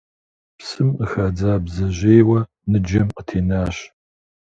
Псым къыхадза бдзэжьейуэ ныджэм къытенащ.